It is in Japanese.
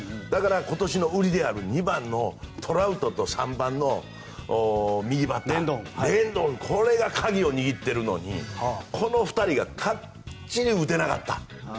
だから、今年の売りである２番のトラウトと３番の右バッター、レンドンこれが鍵を握ってるのにこの２人がかっちり打てなかった。